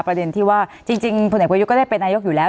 ประเด็นที่ว่าจริงพลเอกประยุทธ์ก็ได้เป็นนายกอยู่แล้ว